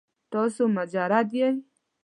تاسو مجرد یې؟